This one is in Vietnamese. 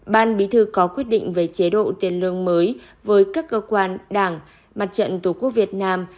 ban bí thư có quyết định về chế độ tiền lương mới với các cơ quan đảng mặt trận tổ quốc việt nam